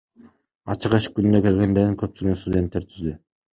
Ачык эшик күнүнө келгендердин көпчүлүгүн студенттер түздү.